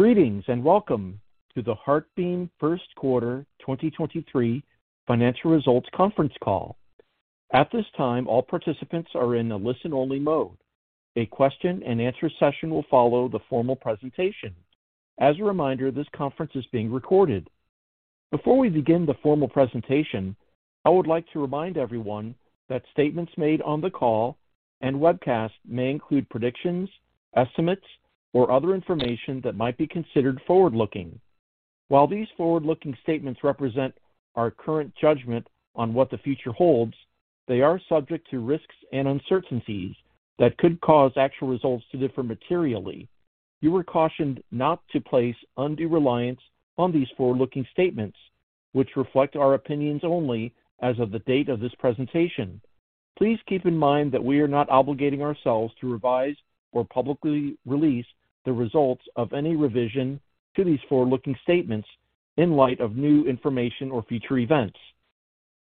Greetings and welcome to the HeartBeam 1st quarter 2023 financial results conference call. At this time, all participants are in a listen-only mode. A question and answer session will follow the formal presentation. As a reminder, this conference is being recorded. Before we begin the formal presentation, I would like to remind everyone that statements made on the call and webcast may include predictions, estimates, or other information that might be considered forward-looking. While these forward-looking statements represent our current judgment on what the future holds, they are subject to risks and uncertainties that could cause actual results to differ materially. You are cautioned not to place undue reliance on these forward-looking statements, which reflect our opinions only as of the date of this presentation. Please keep in mind that we are not obligating ourselves to revise or publicly release the results of any revision to these forward-looking statements in light of new information or future events.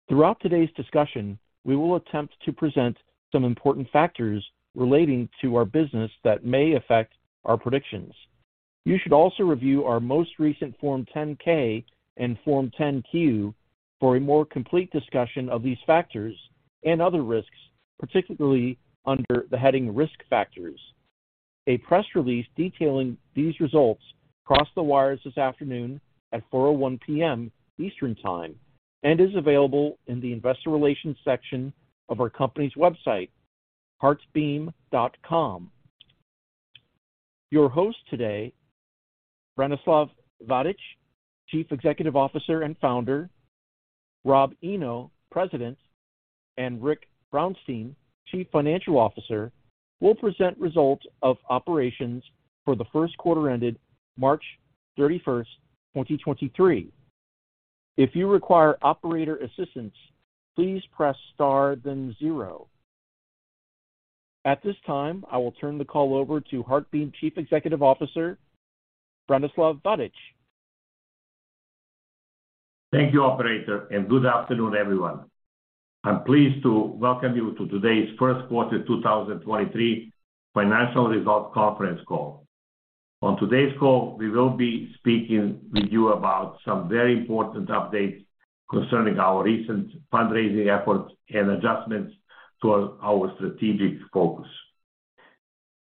Throughout today's discussion, we will attempt to present some important factors relating to our business that may affect our predictions. You should also review our most recent Form 10-K and Form 10-Q for a more complete discussion of these factors and other risks, particularly under the heading Risk Factors. A press release detailing these results crossed the wires this afternoon at 4:01 P.M. Eastern Time and is available in the investor relations section of our company's website, HeartBeam.com. Your host today, Branislav Vajdic, Chief Executive Officer and Founder, Rob Eno, President, and Rick Brounstein, Chief Financial Officer, will present results of operations for the first quarter ended March 31, 2023. If you require operator assistance, please press Star then zero. At this time, I will turn the call over to HeartBeam Chief Executive Officer, Branislav Vajdic. Thank you, operator. Good afternoon, everyone. I'm pleased to welcome you to today's first quarter 2023 financial results conference call. On today's call, we will be speaking with you about some very important updates concerning our recent fundraising efforts and adjustments to our strategic focus.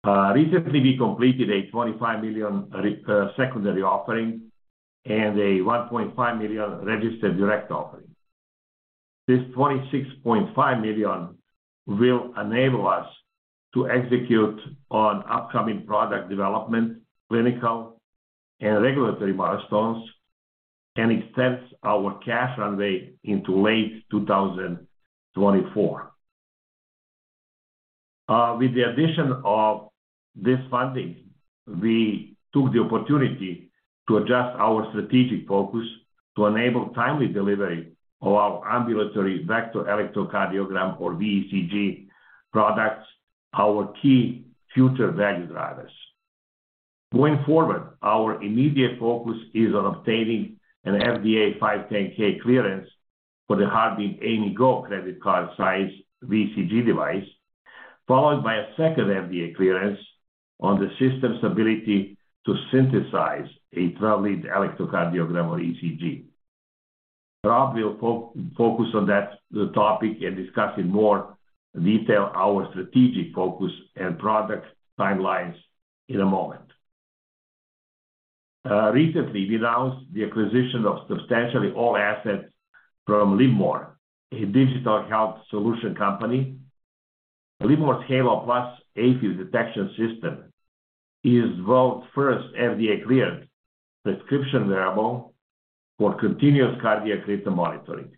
Recently, we completed a $25 million secondary offering and a $1.5 million registered direct offering. This $26.5 million will enable us to execute on upcoming product development, clinical and regulatory milestones, and extends our cash runway into late 2024. With the addition of this funding, we took the opportunity to adjust our strategic focus to enable timely delivery of our ambulatory vector electrocardiogram or VECG products, our key future value drivers. Going forward, our immediate focus is on obtaining an FDA 510(k) clearance for the HeartBeam AIMIGo credit card size VECG device, followed by a second FDA clearance on the system's ability to synthesize a 12-lead electrocardiogram or ECG. Rob focus on that topic and discuss in more detail our strategic focus and product timelines in a moment. Recently we announced the acquisition of substantially all assets from LIVMOR, a digital health solution company. LIVMOR's Halo+ AFib detection system is world's first FDA-cleared prescription wearable for continuous cardiac rhythm monitoring.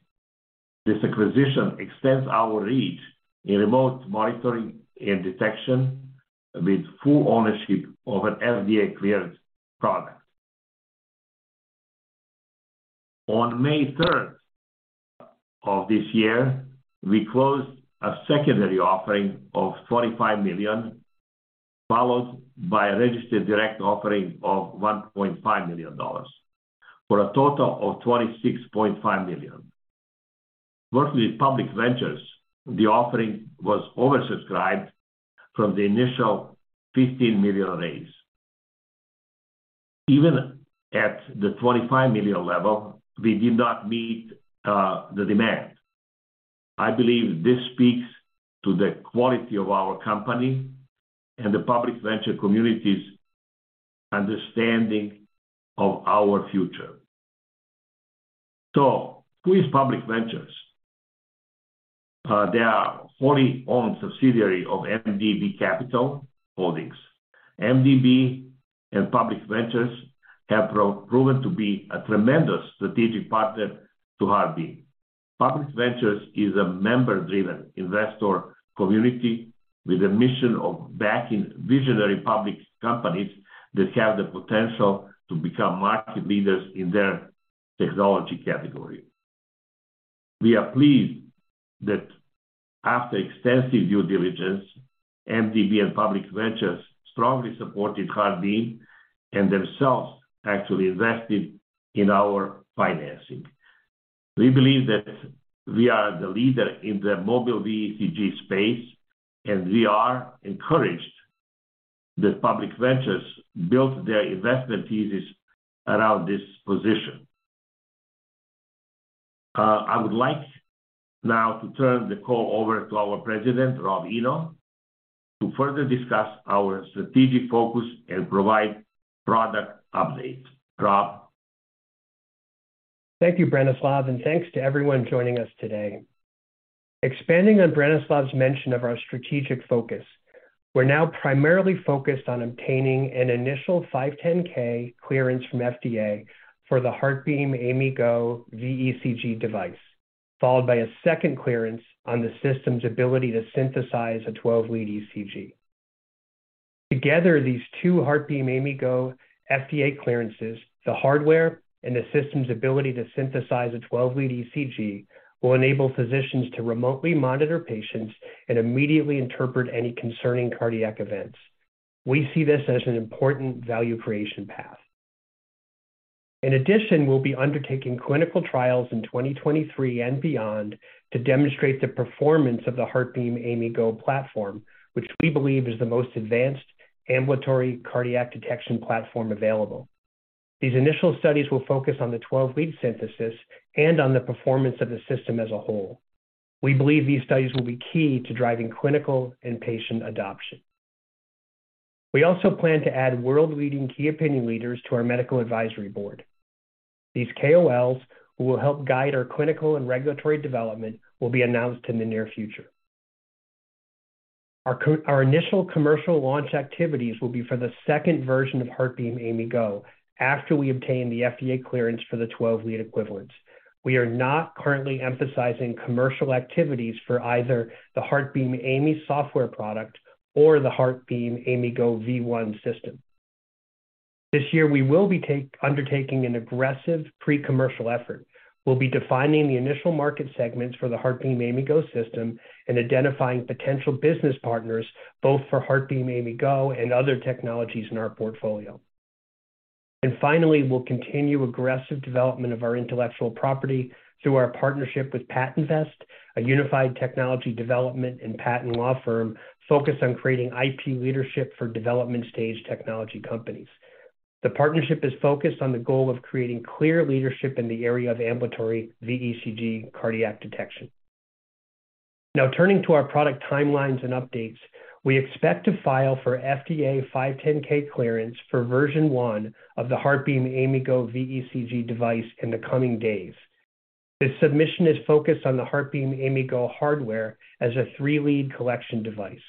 This acquisition extends our reach in remote monitoring and detection with full ownership of an FDA-cleared product. On May 3rd of this year, we closed a secondary offering of $25 million, followed by a registered direct offering of $1.5 million for a total of $26.5 million. Working with Public Ventures, the offering was oversubscribed from the initial $15 million raise. Even at the $25 million level, we did not meet the demand. I believe this speaks to the quality of our company and the Public Ventures community's understanding of our future. Who is Public Ventures? They are a fully owned subsidiary of MDB Capital Holdings. MDB and Public Ventures have proven to be a tremendous strategic partner to HeartBeam. Public Ventures is a member-driven investor community with a mission of backing visionary public companies that have the potential to become market leaders in their technology category. We are pleased that after extensive due diligence, MDB and Public Ventures strongly supported HeartBeam and themselves actually invested in our financing. We believe that we are the leader in the mobile VECG space, and we are encouraged that Public Ventures built their investment thesis around this position. I would like now to turn the call over to our President, Rob Eno, to further discuss our strategic focus and provide product updates. Rob. Thank you, Branislav. Thanks to everyone joining us today. Expanding on Branislav's mention of our strategic focus, we're now primarily focused on obtaining an initial 510(k) clearance from FDA for the HeartBeam AIMIGo VECG device, followed by a second clearance on the system's ability to synthesize a 12-lead ECG. Together, these two HeartBeam AIMIGo FDA clearances, the hardware and the system's ability to synthesize a 12-lead ECG, will enable physicians to remotely monitor patients and immediately interpret any concerning cardiac events. We see this as an important value creation path. In addition, we'll be undertaking clinical trials in 2023 and beyond to demonstrate the performance of the HeartBeam AIMIGo platform, which we believe is the most advanced ambulatory cardiac detection platform available. These initial studies will focus on the 12-week synthesis and on the performance of the system as a whole. We believe these studies will be key to driving clinical and patient adoption. We also plan to add world-leading Key Opinion Leaders to our medical advisory board. These KOLs, who will help guide our clinical and regulatory development, will be announced in the near future. Our initial commercial launch activities will be for the second version of HeartBeam AIMIGo after we obtain the FDA clearance for the 12-lead equivalence. We are not currently emphasizing commercial activities for either the HeartBeam AIMI software product or the HeartBeam AIMIGo V1 system. This year we will be undertaking an aggressive pre-commercial effort. We'll be defining the initial market segments for the HeartBeam AIMIGo system and identifying potential business partners both for HeartBeam AIMIGo and other technologies in our portfolio. Finally, we'll continue aggressive development of our intellectual property through our partnership with PatentVest, a unified technology development and patent law firm focused on creating IP leadership for development stage technology companies. The partnership is focused on the goal of creating clear leadership in the area of ambulatory VECG cardiac detection. Turning to our product timelines and updates. We expect to file for FDA 510(k) clearance for version 1 of the HeartBeam AIMIGo VECG device in the coming days. This submission is focused on the HeartBeam AIMIGo hardware as a three-lead collection device.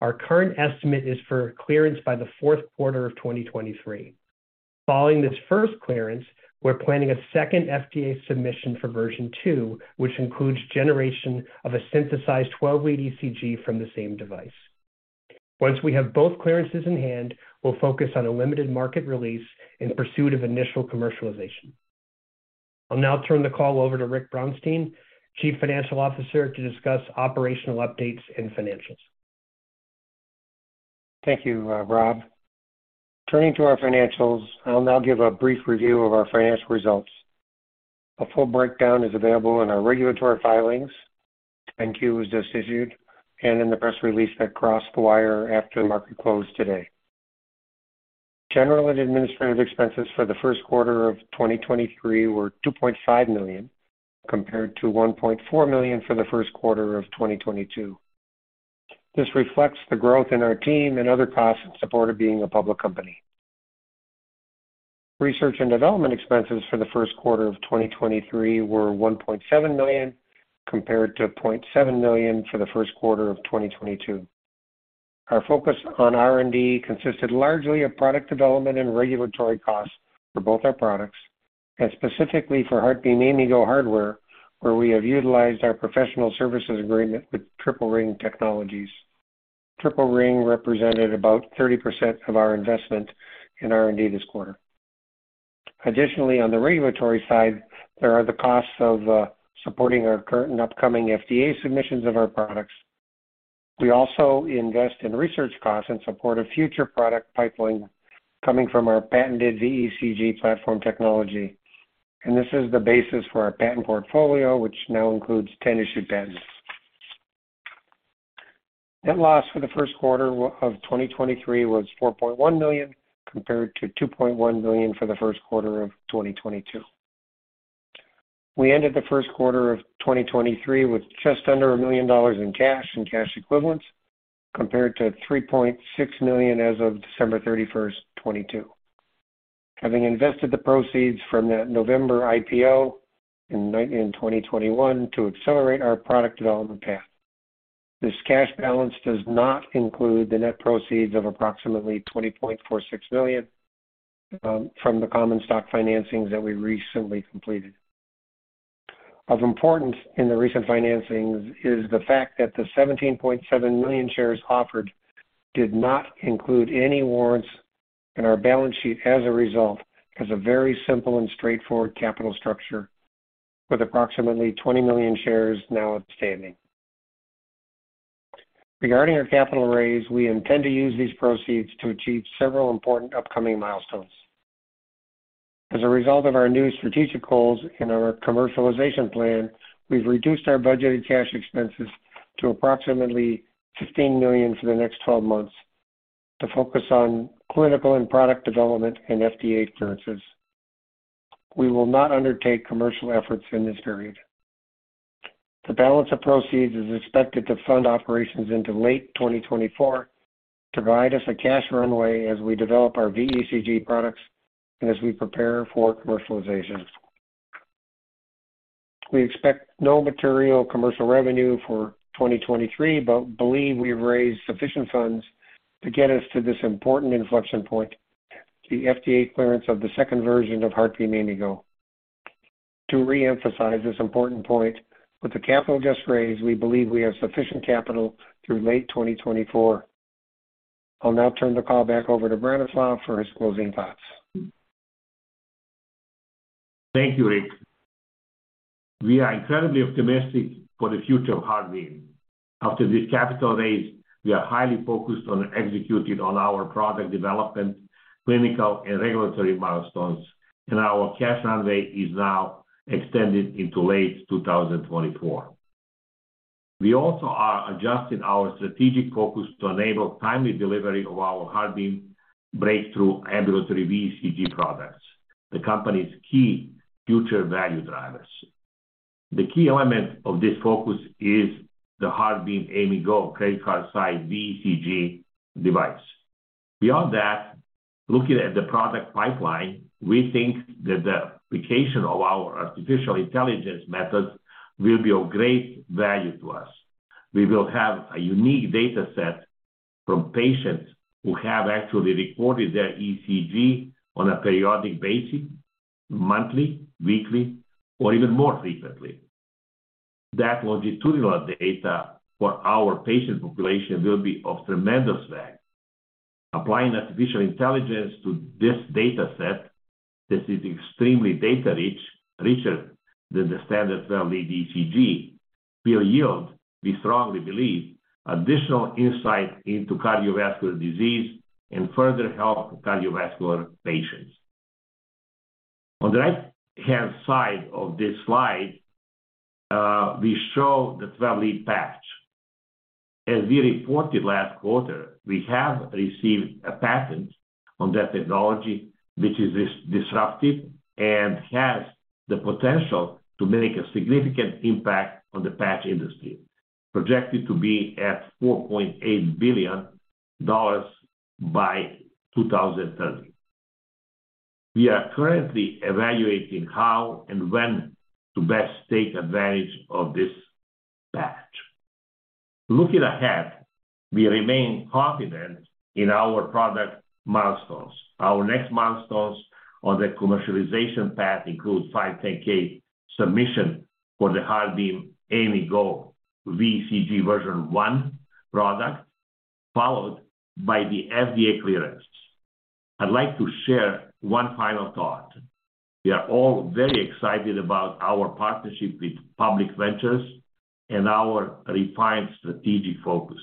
Our current estimate is for clearance by the fourth quarter of 2023. Following this first clearance, we're planning a second FDA submission for version 2, which includes generation of a synthesized 12-lead ECG from the same device. Once we have both clearances in hand, we'll focus on a limited market release in pursuit of initial commercialization. I'll now turn the call over to Rick Brounstein, Chief Financial Officer, to discuss operational updates and financials. Thank you, Rob. Turning to our financials, I'll now give a brief review of our financial results. A full breakdown is available in our regulatory filings. Form 10-Q was just issued, and in the press release that crossed the wire after the market closed today. General and administrative expenses for the first quarter of 2023 were $2.5 million, compared to $1.4 million for the first quarter of 2022. This reflects the growth in our team and other costs in support of being a public company. Research and development expenses for the first quarter of 2023 were $1.7 million, compared to $0.7 million for the first quarter of 2022. Our focus on R&D consisted largely of product development and regulatory costs for both our products and specifically for HeartBeam AIMIGo hardware, where we have utilized our professional services agreement with Triple Ring Technologies. Triple Ring represented about 30% of our investment in R&D this quarter. Additionally, on the regulatory side, there are the costs of supporting our current upcoming FDA submissions of our products. We also invest in research costs in support of future product pipeline coming from our patented VECG platform technology, and this is the basis for our patent portfolio, which now includes 10 issued patents. Net loss for the first quarter of 2023 was $4.1 million, compared to $2.1 million for the first quarter of 2022. We ended the first quarter of 2023 with just under $1 million in cash and cash equivalents, compared to $3.6 million as of December 31, 2022. Having invested the proceeds from that November IPO in 2021 to accelerate our product development path. This cash balance does not include the net proceeds of approximately $20.46 million from the common stock financings that we recently completed. Of importance in the recent financings is the fact that the 17.7 million shares offered did not include any warrants, and our balance sheet as a result has a very simple and straightforward capital structure with approximately 20 million shares now outstanding. Regarding our capital raise, we intend to use these proceeds to achieve several important upcoming milestones. As a result of our new strategic goals and our commercialization plan, we've reduced our budgeted cash expenses to approximately $15 million for the next 12 months to focus on clinical and product development and FDA clearances. We will not undertake commercial efforts in this period. The balance of proceeds is expected to fund operations into late 2024 to provide us a cash runway as we develop our VECG products and as we prepare for commercialization. We expect no material commercial revenue for 2023, but believe we have raised sufficient funds to get us to this important inflection point, the FDA clearance of the second version of HeartBeam AIMIGo. To re-emphasize this important point, with the capital just raised we believe we have sufficient capital through late 2024. I'll now turn the call back over to Branislav Vajdic for his closing thoughts. Thank you, Rick. We are incredibly optimistic for the future of HeartBeam. After this capital raise, we are highly focused on executing on our product development, clinical, and regulatory milestones. Our cash runway is now extended into late 2024. We also are adjusting our strategic focus to enable timely delivery of our HeartBeam breakthrough ambulatory VECG products, the company's key future value drivers. The key element of this focus is the HeartBeam AIMIGo credit card-size VECG device. Beyond that, looking at the product pipeline, we think that the application of our artificial intelligence methods will be of great value to us. We will have a unique data set from patients who have actually recorded their ECG on a periodic basis, monthly, weekly, or even more frequently. That longitudinal data for our patient population will be of tremendous value. Applying artificial intelligence to this data set that is extremely data rich, richer than the standard 12-lead ECG, will yield, we strongly believe, additional insight into cardiovascular disease and further help cardiovascular patients. On the right-hand side of this slide, we show the 12-lead patch. As we reported last quarter, we have received a patent on that technology, which is disruptive and has the potential to make a significant impact on the patch industry, projected to be at $4.8 billion by 2030. We are currently evaluating how and when to best take advantage of this patch. Looking ahead, we remain confident in our product milestones. Our next milestones on the commercialization path include 510(k) submission for the HeartBeam AIMIGo VECG V1 product, followed by the FDA clearance. I'd like to share one final thought. We are all very excited about our partnership with Public Ventures and our refined strategic focus.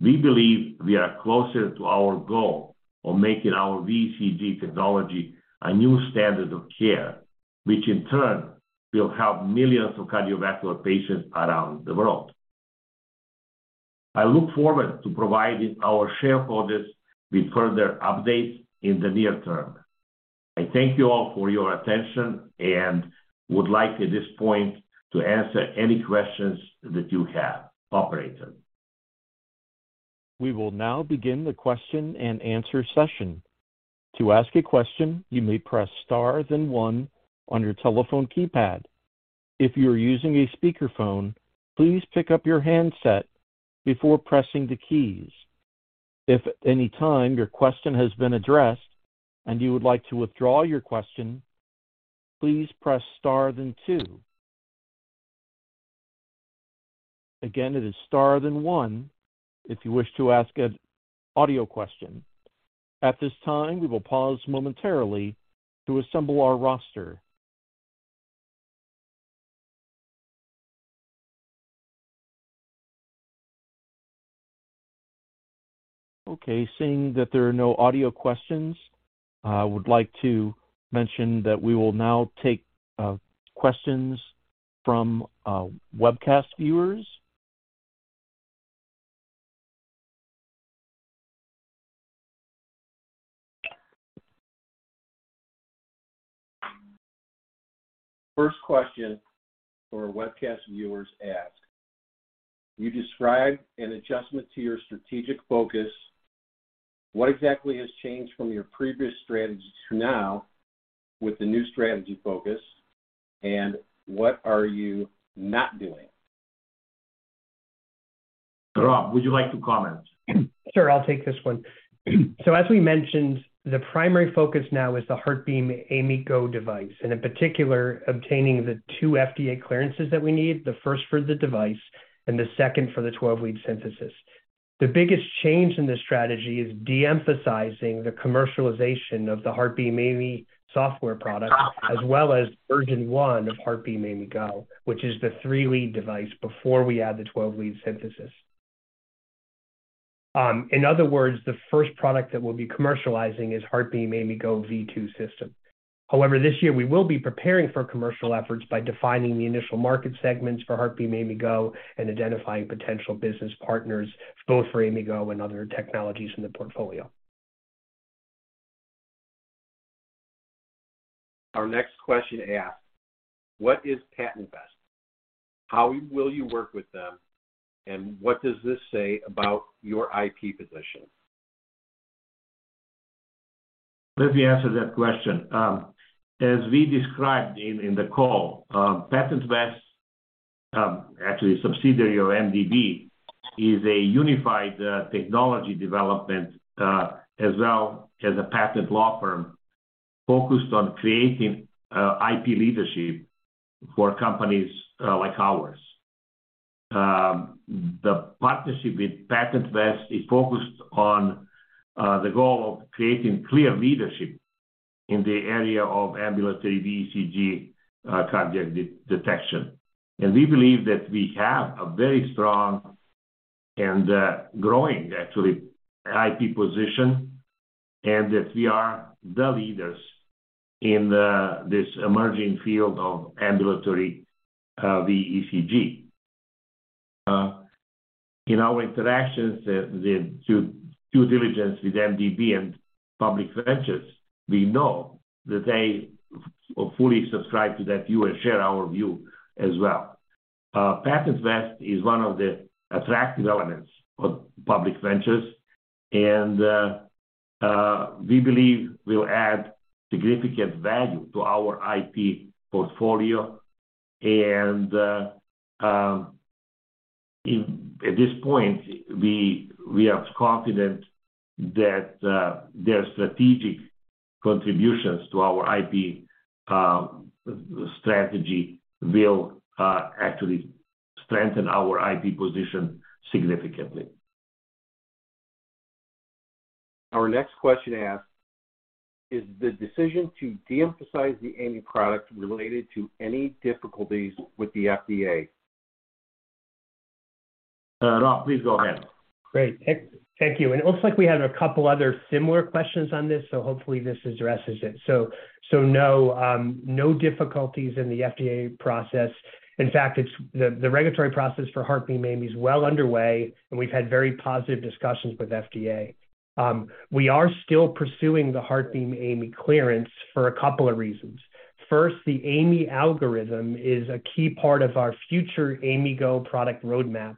We believe we are closer to our goal of making our VECG technology a new standard of care, which in turn will help millions of cardiovascular patients around the world. I look forward to providing our shareholders with further updates in the near term. I thank you all for your attention and would like at this point to answer any questions that you have. Operator. We will now begin the question-and-answer session. To ask a question, you may press star then one on your telephone keypad. If you are using a speakerphone, please pick up your handset before pressing the keys. If at any time your question has been addressed and you would like to withdraw your question, please press star than two. Again, it is star than one if you wish to ask an audio question. At this time, we will pause momentarily to assemble our roster. Okay. Seeing that there are no audio questions, I would like to mention that we will now take questions from webcast viewers. First question for our webcast viewers ask, you described an adjustment to your strategic focus. What exactly has changed from your previous strategy to now with the new strategy focus, and what are you not doing? Rob, would you like to comment? Sure, I'll take this one. As we mentioned, the primary focus now is the HeartBeam AIMIGo device and in particular obtaining the two FDA clearances that we need, the first for the device and the second for the 12-lead synthesis. The biggest change in this strategy is de-emphasizing the commercialization of the HeartBeam AIMI software product, as well as HeartBeam AIMIGo V1, which is the three-lead device before we add the 12-lead synthesis. In other words, the first product that we'll be commercializing is HeartBeam AIMIGo V2 system. However, this year we will be preparing for commercial efforts by defining the initial market segments for HeartBeam AIMIGo and identifying potential business partners both for AIMIGo and other technologies in the portfolio. Our next question asks, what is PatentVest? How will you work with them, and what does this say about your IP position? Let me answer that question. As we described in the call, PatentVest, actually a subsidiary of MDB, is a unified technology development, as well as a patent law firm focused on creating IP leadership for companies like ours. The partnership with PatentVest is focused on the goal of creating clear leadership in the area of ambulatory VECG cardiac detection. We believe that we have a very strong and growing actually IP position and that we are the leaders in this emerging field of ambulatory VECG. In our interactions with due diligence with MDB and Public Ventures, we know that they fully subscribe to that view and share our view as well. PatentVest is one of the attractive elements of Public Ventures, and we believe will add significant value to our IP portfolio. At this point, we are confident that their strategic contributions to our IP strategy will actually strengthen our IP position significantly. Our next question asks, is the decision to de-emphasize the AIMI product related to any difficulties with the FDA? Rob, please go ahead. Great. Thank you. It looks like we had a couple other similar questions on this, so hopefully this addresses it. No difficulties in the FDA process. In fact, it's the regulatory process for HeartBeam AIMI is well underway, and we've had very positive discussions with FDA. We are still pursuing the HeartBeam AIMI clearance for a couple of reasons. First, the AIMI algorithm is a key part of our future HeartBeam AIMIGo product roadmap.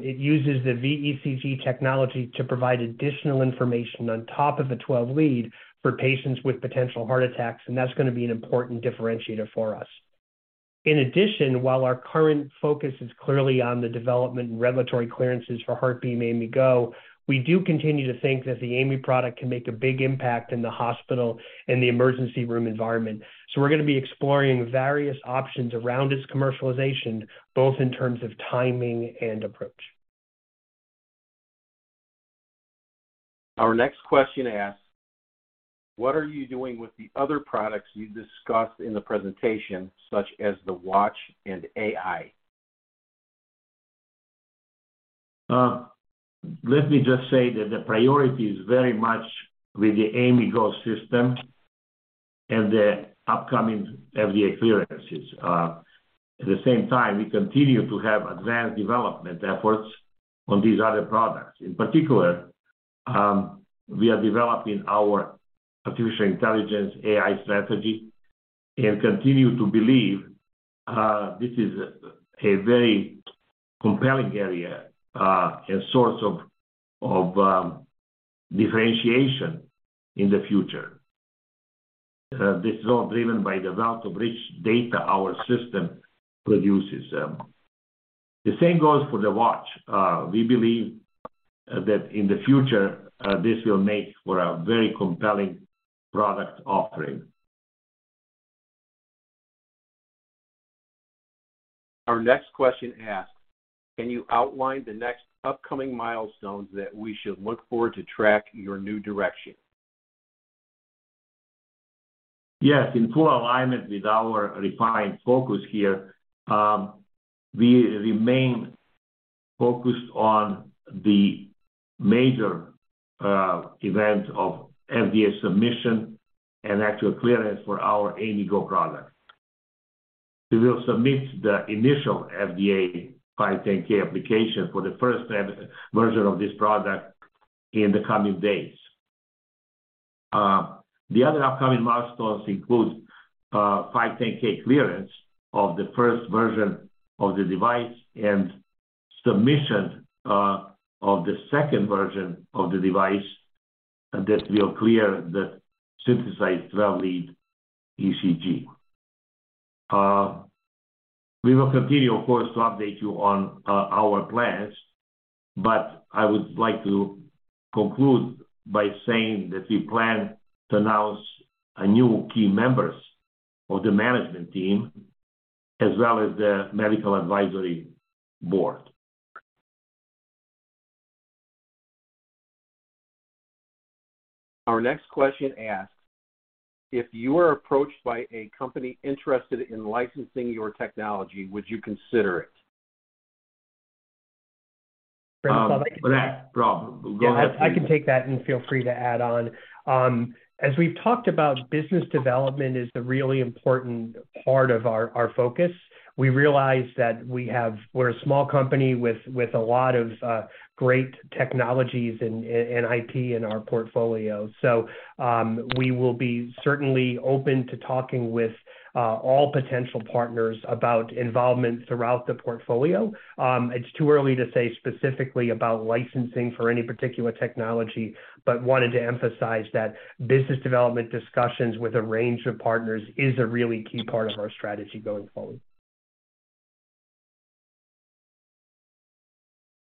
It uses the VECG technology to provide additional information on top of the 12-lead for patients with potential heart attacks, and that's gonna be an important differentiator for us. In addition, while our current focus is clearly on the development and regulatory clearances for HeartBeam AIMIGo, we do continue to think that the AIMI product can make a big impact in the hospital and the emergency room environment. We're gonna be exploring various options around its commercialization, both in terms of timing and approach. Our next question asks, what are you doing with the other products you discussed in the presentation, such as the watch and AI? Let me just say that the priority is very much with the AIMIGo system and the upcoming FDA clearances. At the same time, we continue to have advanced development efforts on these other products. In particular, we are developing our artificial intelligence AI strategy and continue to believe this is a very compelling area and source of differentiation in the future. This is all driven by the wealth of rich data our system produces. The same goes for the watch. We believe that in the future, this will make for a very compelling product offering. Our next question asks, can you outline the next upcoming milestones that we should look for to track your new direction? Yes. In full alignment with our refined focus here, we remain focused on the major event of FDA submission and actual clearance for our AIMIGo product. We will submit the initial FDA 510(k) application for the first version of this product in the coming days. The other upcoming milestones include 510(k) clearance of the first version of the device and submission of the second version of the device that will clear the synthesized 12-lead ECG. We will continue, of course, to update you on our plans, but I would like to conclude by saying that we plan to announce new key members of the management team as well as the medical advisory board. Our next question asks, if you are approached by a company interested in licensing your technology, would you consider it? Rob, go ahead. I can take that and feel free to add on. As we've talked about, business development is the really important part of our focus. We realize that we're a small company with a lot of great technologies and IP in our portfolio. We will be certainly open to talking with all potential partners about involvement throughout the portfolio. It's too early to say specifically about licensing for any particular technology, but wanted to emphasize that business development discussions with a range of partners is a really key part of our strategy going forward.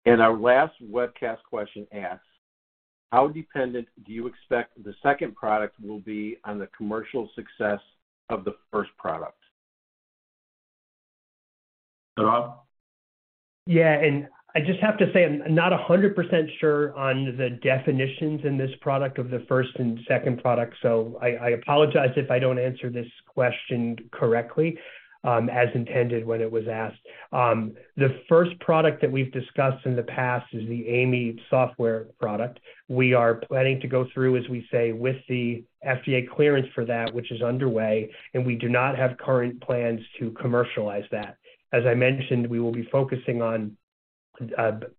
Our last webcast question asks, how dependent do you expect the second product will be on the commercial success of the first product? Rob. I just have to say I'm not 100% sure on the definitions in this product of the first and second product, so I apologize if I don't answer this question correctly as intended when it was asked. The first product that we've discussed in the past is the HeartBeam AIMI software product. We are planning to go through, as we say, with the FDA clearance for that which is underway, and we do not have current plans to commercialize that. As I mentioned, we will be focusing on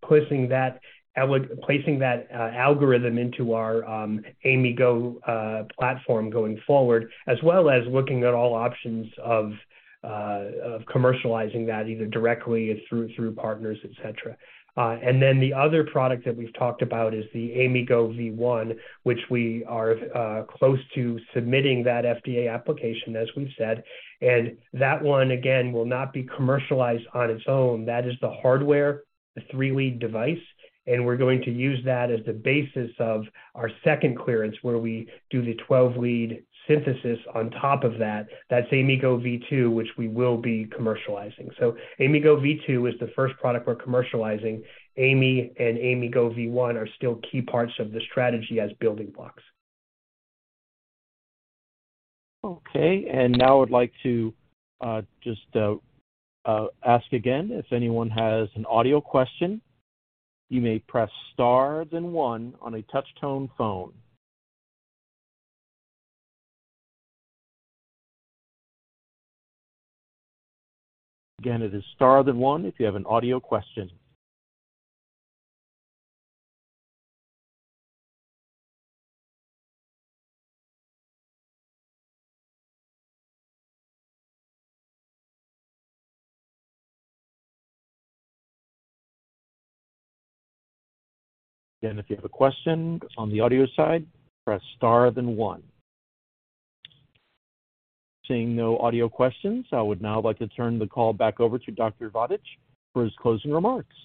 placing that algorithm into our HeartBeam AIMIGo platform going forward, as well as looking at all options of commercializing that either directly through partners, et cetera. The other product that we've talked about is the AIMIGo V1, which we are close to submitting that FDA application, as we've said. That one again will not be commercialized on its own. That is the hardware, the three-lead device. We're going to use that as the basis of our second clearance, where we do the 12-lead synthesis on top of that. That's AIMIGo V2, which we will be commercializing. AIMIGo V2 is the first product we're commercializing. AIMI and AIMIGo V1 are still key parts of the strategy as building blocks. Okay. Now I'd like to just ask again. If anyone has an audio question, you may press star than one on a touch tone phone. Again, it is star than one if you have an audio question. Again, if you have a question on the audio side, press star than one. Seeing no audio questions, I would now like to turn the call back over to Dr. Vajdic for his closing remarks.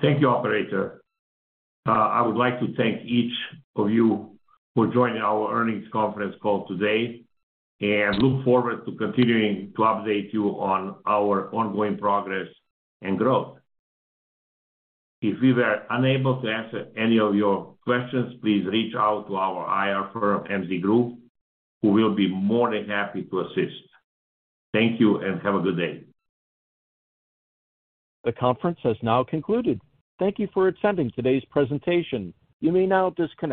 Thank you, operator. I would like to thank each of you for joining our earnings conference call today and look forward to continuing to update you on our ongoing progress and growth. If we were unable to answer any of your questions, please reach out to our IR firm, MZ Group, who will be more than happy to assist. Thank you and have a good day. The conference has now concluded. Thank you for attending today's presentation. You may now disconnect.